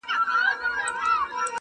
اوس د رقیبانو پېغورونو ته به څه وایو.!